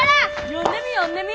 読んでみ読んでみ！